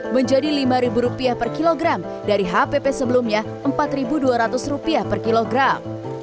menjadi rp lima per kilogram dari hpp sebelumnya rp empat dua ratus per kilogram